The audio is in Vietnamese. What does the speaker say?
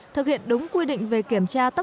thực hiện đúng quy định về kiểm tra tình trạng